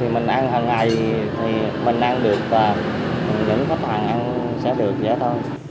thì mình ăn hằng ngày thì mình ăn được và mình vẫn có toàn ăn sẽ được vậy thôi